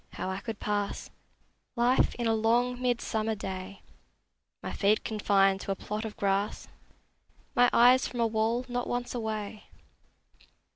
How I could pass Life in a long midsummer day, My feet confined to a plot of grass, My eyes from a wall not once away!